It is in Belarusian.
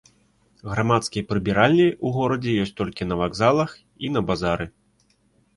Грамадскія прыбіральні ў горадзе ёсць толькі на вакзалах і на базары.